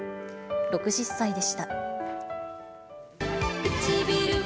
６０歳でした。